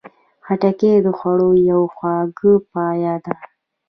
خټکی د خوړو یوه خواږه پایه ده.